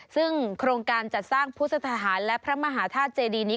ซึ่งโครงการจัดสร้างพุทธทหารและพระมหาธาตุเจดีนี้